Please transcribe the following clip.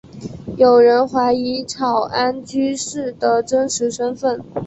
有人怀疑草庵居士的真实身份。